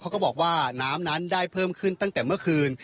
ก็บอกว่าน้ำนั้นได้เพิ่มขึ้นตั้งแต่เมื่อคืน